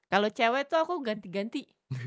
kalau cewek tuh aku ganti ganti